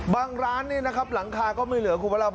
ร้านนี้นะครับหลังคาก็ไม่เหลือคุณพระราพร